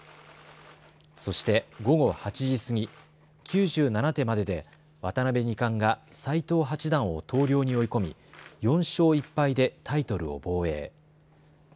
そして午後８時過ぎ９７手までで渡辺二冠が斎藤八段を投了に追い込み、４勝１敗でタイトルを防衛。